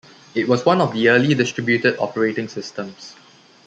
It was one of the early distributed operating systems.